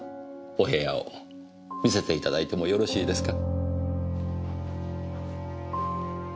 お部屋を見せて頂いてもよろしいですか？